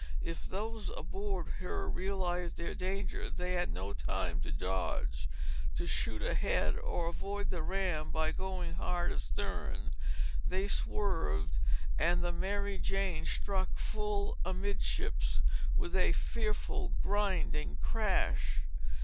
If those aboard her realized their danger, they had no time to dodge, to shoot ahead, or avoid the ram by going hard astern. They swerved and the Mary Jane struck full amidships with a fearful grinding crash.